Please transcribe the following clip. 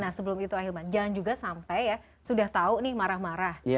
nah sebelum itu ahilman jangan juga sampai ya sudah tahu nih marah marah